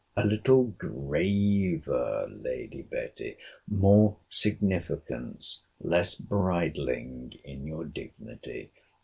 A little graver, Lady Betty.—More significance, less bridling in your dignity.